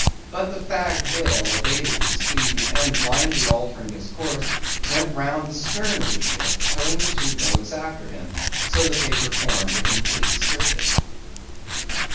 But the fagged whale abated his speed, and blindly altering his course, went round the stern of the ship towing the two boats after him, so that they performed a complete circuit.